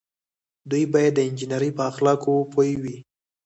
دوی باید د انجنیری په اخلاقو پوه وي.